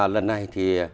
lần này thì